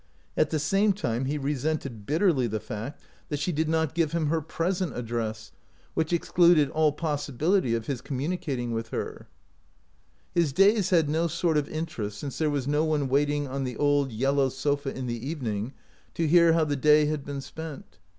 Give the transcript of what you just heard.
At the same time he resented bitterly the fact that she did not 182 OUT OF BOHEMIA give him her present address, which excluded all possibility of his communicating with her. His days had no sort of interest since there was no one waiting on the old, yellow sofa in the evening to hear how the day had been spent.